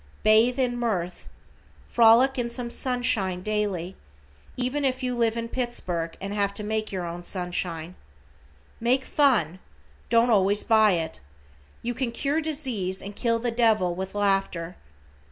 Bathe in mirth. Frolic in some sunshine daily, even if you live in Pittsburgh and have to make your own sunshine. Make fun, don't always buy it. You can cure disease and kill the Devil with laughter.